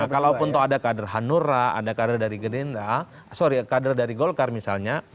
kalau pun tahu ada kader hanura ada kader dari golkar misalnya